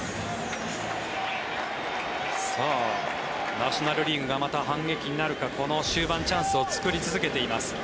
ナショナル・リーグがまた反撃なるかこの終盤チャンスを作り続けています。